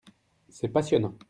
C'est passionnant.